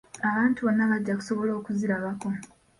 Abantu bonna bajja kusobola okuzirabako.